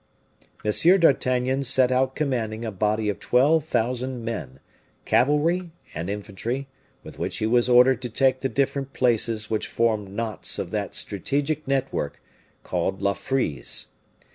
M. d'Artagnan set out commanding a body of twelve thousand men, cavalry, and infantry, with which he was ordered to take the different places which form knots of that strategic network called La Frise.